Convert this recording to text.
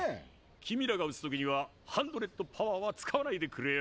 君らが打つ時にはハンドレッドパワーは使わないでくれよ。